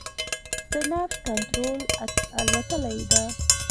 د نفس کنټرول اتلولۍ ده.